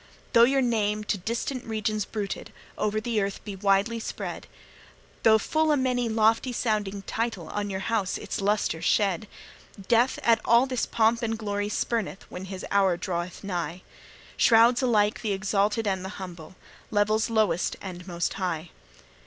Though your name, to distant regions bruited, O'er the earth be widely spread, Though full many a lofty sounding title On your house its lustre shed, Death at all this pomp and glory spurneth When his hour draweth nigh, Shrouds alike th' exalted and the humble, Levels lowest and most high.